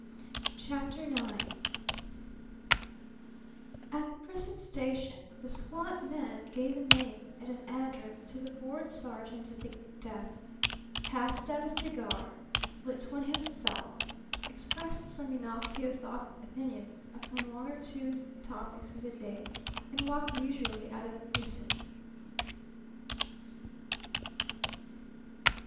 CHAPTER IX At the precinct station the squat man gave a name and an address to the bored sergeant at the desk, passed out a cigar, lit one himself, expressed some innocuous opinions upon one or two topics of the day, and walked leisurely out of the precinct.